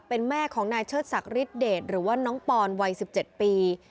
เป็นแม่ของนายเชิดศักดิเดชหรือว่าน้องปอนวัย๑๗ปี